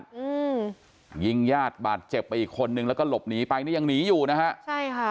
อืมยิงญาติบาดเจ็บไปอีกคนนึงแล้วก็หลบหนีไปนี่ยังหนีอยู่นะฮะใช่ค่ะ